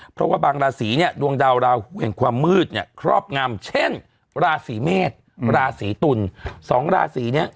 เพราะว่าบางราศีเนี่ยดวงดาวราหูแห่งความมืดเนี่ยครอบงำเช่นราศีเมษราศีตุลสองราศีเนี่ย